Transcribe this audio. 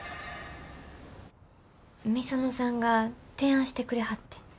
御園さんが提案してくれはってん。